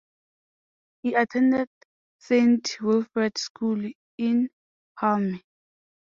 He attended Saint Wilfred's School in Hulme.